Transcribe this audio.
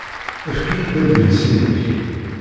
Efk-iyi-d adlis-nnek.